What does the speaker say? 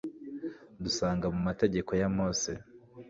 dusanga mu mategeko ya mose